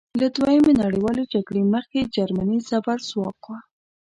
له دویمې نړیوالې جګړې مخکې جرمني زبرځواک وه.